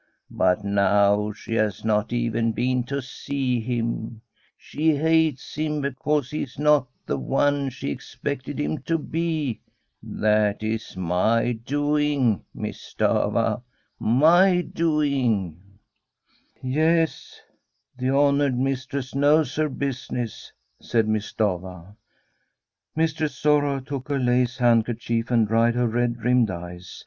But now she has not even been to see him. She hates him because he is not the one she expected him to be. That is my doing, Miss Stafva, my doing.' * Yes ; the honoured mistress knows her busi ness/ said Miss Stafva. Mistress Sorrow took her lace handkerchief and dried her red rimmed eyes.